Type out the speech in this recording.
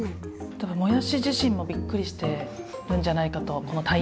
多分もやし自身もびっくりしてるんじゃないかとこの大役に。